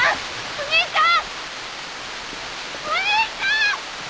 お兄ちゃん！